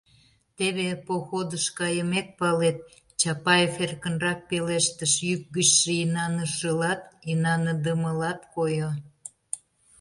— Теве походыш кайымек палет, — Чапаев эркынрак пелештыш, йӱк гычше инанышылат, инаныдымылат койо.